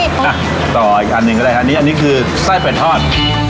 อ่ะต่ออีกอันหนึ่งก็ได้ครับนี่อันนี้คือไส้เป็ดทอด